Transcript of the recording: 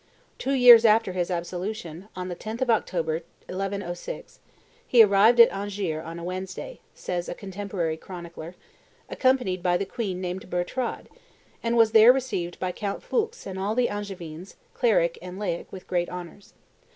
"Two years after his absolution, on the 10th of October, 1106, he arrived at Angers, on a Wednesday," says a contemporary chronicler, "accompanied by the queen named Bertrade, and was there received by Count Foulques and by all the Angevines, cleric and laic, with great honors.